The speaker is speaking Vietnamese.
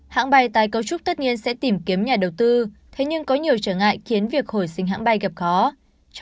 hãng bay tái cấu trúc tất nhiên sẽ tìm kiếm nhà đầu tư thế nhưng có nhiều trở ngại khiến việc hồi sinh hãng bay gặp khó